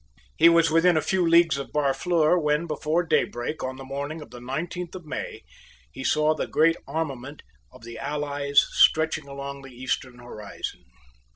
He was within a few leagues of Barfleur when, before daybreak, on the morning of the nineteenth of May, he saw the great armament of the allies stretching along the eastern horizon.